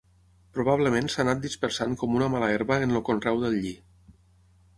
Probablement s'ha anat dispersant com una mala herba en el conreu del lli.